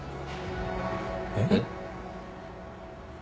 えっ？